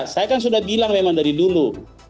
saya kan sudah bilang memang dari dulu